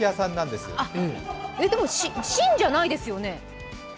でも、「新」じゃないですよね？